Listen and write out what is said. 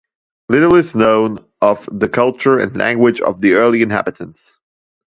Little is known of the culture and language of the early inhabitants.